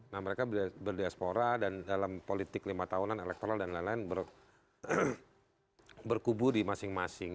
nah mereka berdiaspora dan dalam politik lima tahunan elektoral dan lain lain berkubu di masing masing